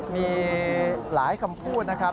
มีหลายคำพูดนะครับ